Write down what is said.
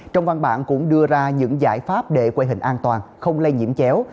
trong văn bản cũng đưa ra những giải pháp để quê hình an toàn không lây nhiễm chéo